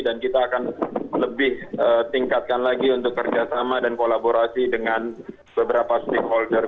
dan kita akan lebih tingkatkan lagi untuk kerja sama dan kolaborasi dengan beberapa stakeholder